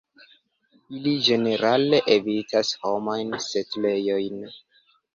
Ili ĝenerale evitas homajn setlejojn.